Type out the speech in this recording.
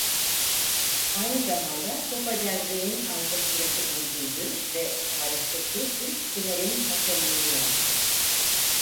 Aynı zamanda Copa del Rey'in arkasındaki öncüydü ve tarihteki ilk finalin hakemliğini yaptı.